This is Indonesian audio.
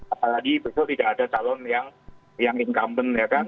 apalagi besok tidak ada calon yang incumbent ya kan